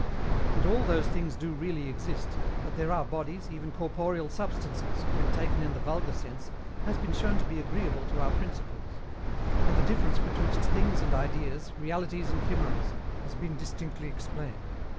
That all those things do really exist, that there are bodies, even corporeal substances, when taken in the vulgar sense, has been shown to be agreeable to our principles; and the difference betwixt things and ideas, realities and chimeras, has been distinctly explained.